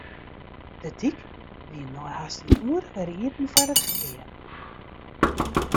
De dyk wie nei hast in oere wer iepen foar it ferkear.